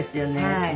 はい。